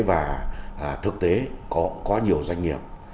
và thực tế có nhiều doanh nghiệp